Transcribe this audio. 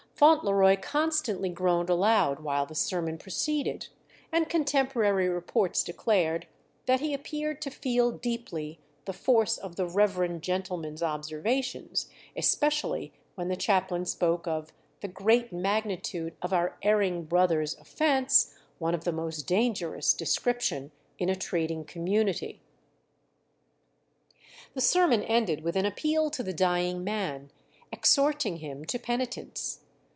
Fauntleroy constantly groaned aloud while the sermon proceeded, and contemporary reports declared that "he appeared to feel deeply the force of the reverend gentleman's observations," especially when the chaplain spoke "of the great magnitude of our erring brother's offence, one of the most dangerous description in a trading community." The sermon ended with an appeal to the dying man, exhorting him to penitence.